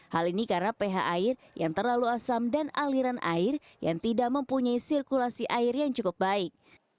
hal ini karena ph air yang terlalu asam dan aliran air yang tidak mempunyai sirkulasi air yang cukup baik